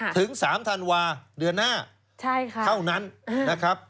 ถึง๓ธันวาเดือนหน้าเท่านั้นนะครับ